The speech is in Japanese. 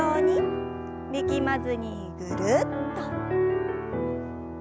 力まずにぐるっと。